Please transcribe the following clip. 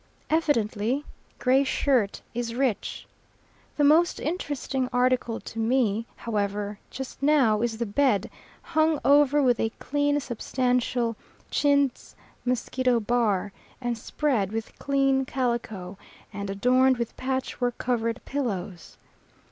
Evidently Gray Shirt is rich. The most interesting article to me, however, just now is the bed hung over with a clean, substantial, chintz mosquito bar, and spread with clean calico and adorned with patchwork covered pillows.